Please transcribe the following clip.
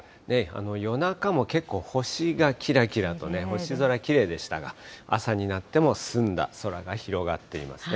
夜中も結構星がきらきらとね、星空きれいでしたが、朝になっても澄んだ空が広がっていますね。